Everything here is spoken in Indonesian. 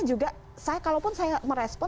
juga saya kalau pun saya merespon